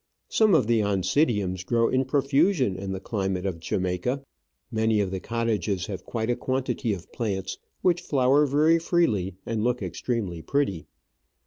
Some of the Oncidiums grow in profusion in the climate of Jamaica. Many of the cottages have quite a quantity of plants, which flower very freely and look extremely pretty.